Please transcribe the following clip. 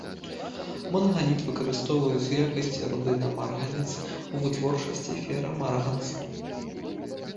Манганіт выкарыстоўваецца ў якасці руды на марганец, у вытворчасці ферамарганцу.